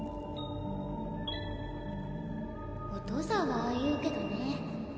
お父さんはああ言うけどねえ。